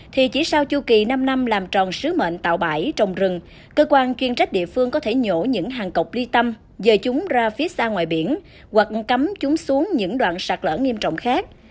thì chỉ sau chu kỳ năm năm làm tròn sứ mệnh tạo bãi trồng rừng cơ quan chuyên trách địa phương có thể nhổ những hàng cọc ly tâm dời chúng ra phía xa ngoài biển hoặc cấm chúng xuống những đoạn sạt lở nghiêm trọng khác